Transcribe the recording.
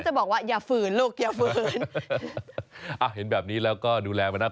จะบอกว่าอย่าฝืนลูกอย่าฝืนอ่ะเห็นแบบนี้แล้วก็ดูแลมานะ